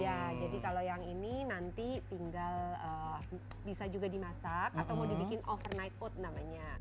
ya jadi kalau yang ini nanti tinggal bisa juga dimasak atau mau dibikin overnight oat namanya